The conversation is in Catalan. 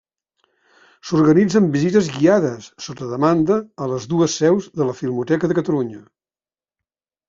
S'organitzen visites guiades, sota demanda, a les dues seus de la Filmoteca de Catalunya.